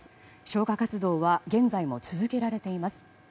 消火活動は現在も続けられています。